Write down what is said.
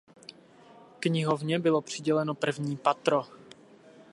Knihovně bylo přiděleno první patro.